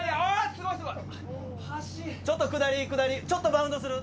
すごいすごいちょっと下り下りちょっとバウンドする